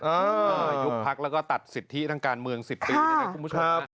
ยุบพักแล้วก็ตัดสิทธิทางการเมือง๑๐ปีนะครับ